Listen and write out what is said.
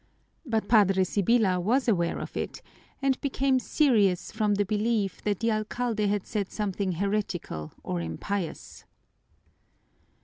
But Padre Sibyla was aware of it and became serious from the belief that the alcalde had said something heretical or impious.